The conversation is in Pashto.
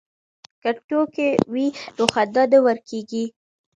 که ټوکې وي نو خندا نه ورکېږي.